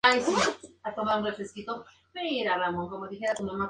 Inicialmente militó en el Partido Liberal, influido por el regeneracionismo.